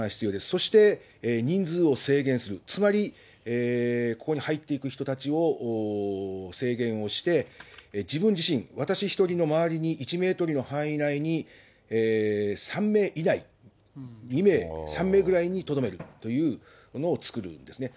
そして、人数を制限する、つまりここに入っていく人たちを制限をして、自分自身、私１人の周りに１メートルの範囲内に３名以内、２名、３名ぐらいにとどめるというのを作るんですね。